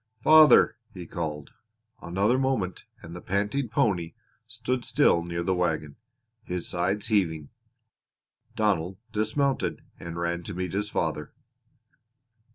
"Father!" he called. Another moment and the panting pony stood still near the wagon, his sides heaving. Donald dismounted and ran to meet his father.